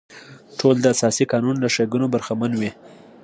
ټول د اساسي قانون له ښېګڼو برخمن وي.